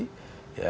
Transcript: nah itu apa